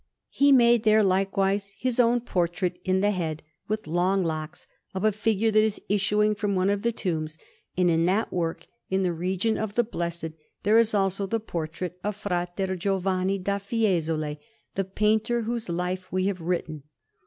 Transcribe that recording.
He made there, likewise, his own portrait, in the head, with long locks, of a figure that is issuing from one of the tombs; and in that work, in the region of the blessed, there is also the portrait of Fra Giovanni da Fiesole, the painter, whose Life we have written.